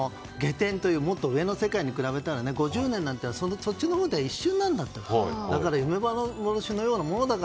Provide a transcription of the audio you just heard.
天というもっと上の世界に比べたら５０年、そっちのほうでは一瞬のようなものだと。